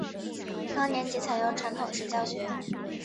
高年级采用传统式教学。